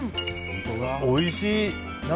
おいしい。